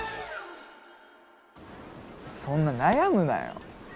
そんな悩むなよ。